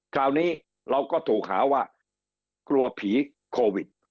คราวนี้เราก็ถูกหาว่ากลัวผีโควิด